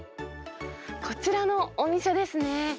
こちらのお店ですね。